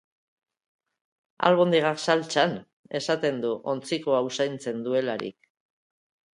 Albondigak saltsan, esaten du, ontzikoa usaintzen duelarik.